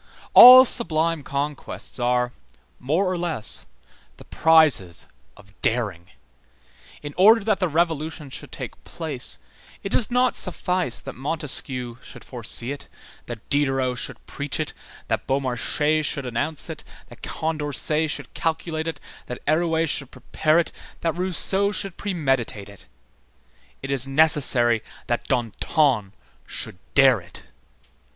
All sublime conquests are, more or less, the prizes of daring. In order that the Revolution should take place, it does not suffice that Montesquieu should foresee it, that Diderot should preach it, that Beaumarchais should announce it, that Condorcet should calculate it, that Arouet should prepare it, that Rousseau should premeditate it; it is necessary that Danton should dare it.